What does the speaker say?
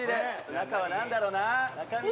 「中はなんだろうな？」